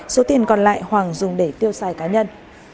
số tiền còn lại hoàng dùng để tiêu xài cá nhân